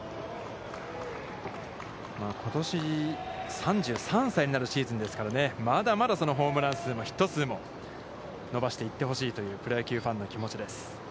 ことし３３歳になるシーズンですからね、まだまだホームラン数もヒット数も伸ばしていってほしいというプロ野球ファンの気持ちです。